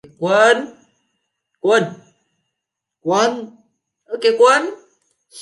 Quân